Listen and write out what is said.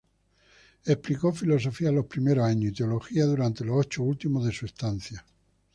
Explicó filosofía los primeros años y teología durante los ocho últimos de su estancia.